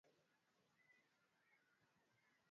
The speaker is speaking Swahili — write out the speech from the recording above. baada ya jana kufanikiwa kumchachafia